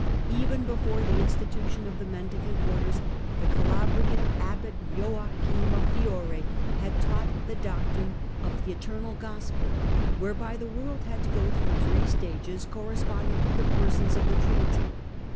Even before the institution of the Mendicant Orders the The Abbot Calabrian Abbot Joachim of Fiore had taught the doctrine oac im ^^ ^j^^ Eternal Gospel, whereby the world had to go through three stages, corresponding to the Persons of the Trinity.